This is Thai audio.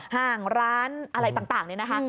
ห่างร้านอะไรต่างนี่นะคะ